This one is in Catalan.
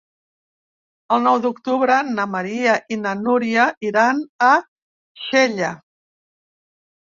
El nou d'octubre na Maria i na Núria iran a Xella.